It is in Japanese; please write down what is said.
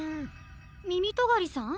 みみとがりさん？